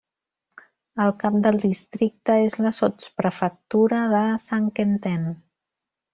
El cap del districte és la sotsprefectura de Saint-Quentin.